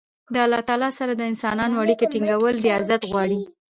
د الله تعالی سره د انسانانو اړیکي ټینګول رياضت غواړي.